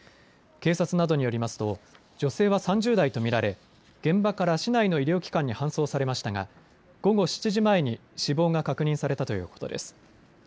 警察などによりますと女性は３０代と見られ現場から市内の医療機関に搬送されましたが午後７時前に死亡が確認されたということです。